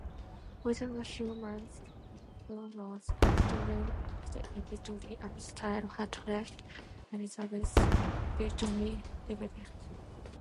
Within a few months, Brownlow's vitriolic editorial style had left Elizabethton bitterly divided.